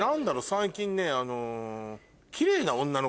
最近ね。